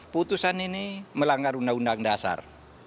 putusan ini melanggar undang undang dasar